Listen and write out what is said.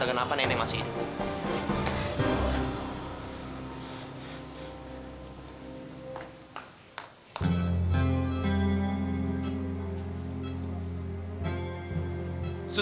kenapa nenek masih hidup